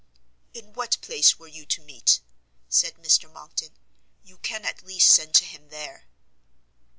"In what place were you to meet?" said Mr Monckton; "you can at least send to him there."